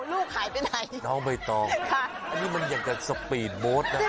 ลูกหายไปไหนค่ะนี่มันอยากจะสปีดบ๊อตนะใช่มั้ย